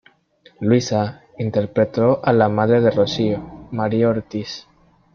Luisa interpretó a la madre de Rocío, María Ortiz.